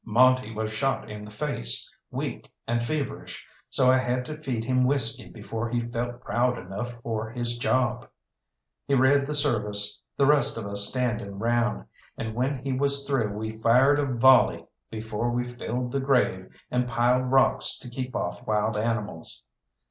Monte was shot in the face, weak, and feverish, so I had to feed him whiskey before he felt proud enough for his job. He read the service, the rest of us standing round, and when he was through we fired a volley before we filled the grave and piled rocks to keep off wild animals.